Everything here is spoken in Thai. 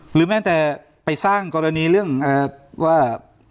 แม้แต่ไปสร้างกรณีเรื่องว่า